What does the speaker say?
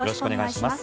よろしくお願いします。